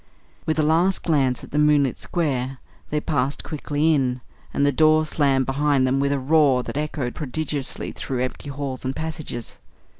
With a last glance at the moonlit square, they passed quickly in, and the door slammed behind them with a roar that echoed prodigiously through empty halls and passages.